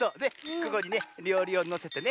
ここにねりょうりをのせてね